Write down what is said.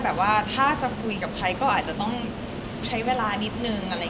แต่แค่ถ้าจะคุยกับใครอาจจะต้องใช้เวลานิดนึง